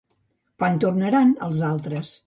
Quan tornaran, els altres?